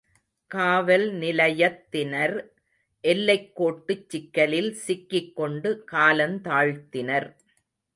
காவல் நிலையத்தினர் எல்லைக் கோட்டுச் சிக்கலில் சிக்கிக் கொண்டு காலந்தாழ்த்தினர்.